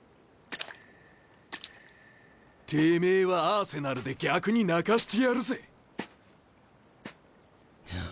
てめぇはアーセナルで逆に泣かしてやるぜ。